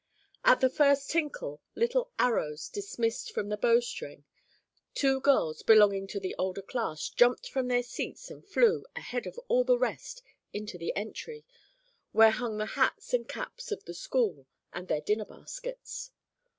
At the first tinkle, like arrows dismissed from the bow string, two girls belonging to the older class jumped from their seats and flew, ahead of all the rest, into the entry, where hung the hats and caps of the school, and their dinner baskets.